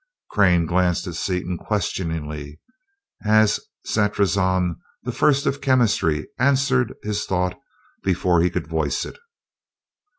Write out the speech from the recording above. Crane glanced at Seaton questioningly, and Satrazon, the First of Chemistry, answered his thought before he could voice it.